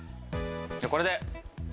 じゃあこれで。